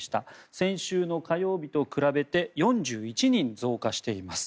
先週の火曜日と比べて４１人増加しています。